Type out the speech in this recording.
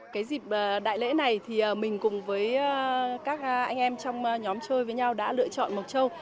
cái dịp đại lễ này thì mình cùng với các anh em trong nhóm chơi với nhau đã lựa chọn mộc châu